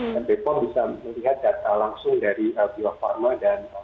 dan bpom bisa melihat data langsung dari l dua pharma dan l empat